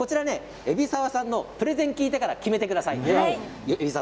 海老沢さんのプレゼンを聞いてから決めてください。